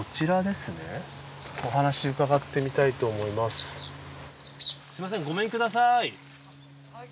すみませんごめんください。